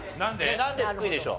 なんで福井でしょう？